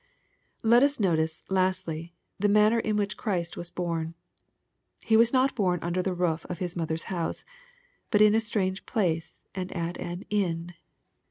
Let us notice, lastly, the manner in which Christ was born. He was not born under the roof of His mother's house, but in a strange place, and at an " inn."